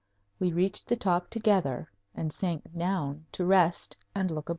We reached the top together, and sank down to rest and look about.